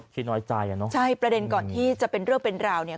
แต่ประเด็นก่อนที่จะเป็นเรื่องเป็นราวเนี่ย